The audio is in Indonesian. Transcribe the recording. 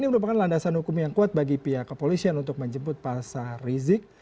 ini merupakan landasan hukum yang kuat bagi pihak kepolisian untuk menjemput paksa rizik